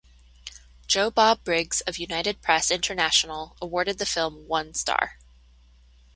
Joe Bob Briggs of United Press International awarded the film one star.